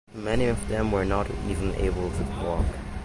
Many of them were not even able to walk.